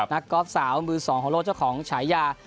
กอล์ฟสาวมือสองของโลกเจ้าของฉายา